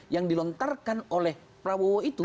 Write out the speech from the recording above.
yang dilontarkan oleh prabowo itu